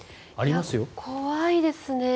怖いですね。